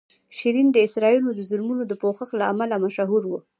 شیرین د اسرائیلو د ظلمونو د پوښښ له امله مشهوره وه.